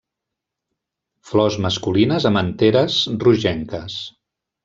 Flors masculines amb anteres rogenques.